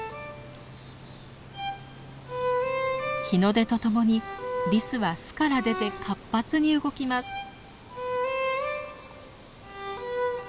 日の出とともにリスは巣から出て活発に動きます。